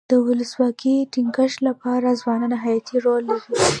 د ولسواکۍ د ټینګښت لپاره ځوانان حیاتي رول لري.